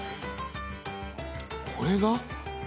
これが？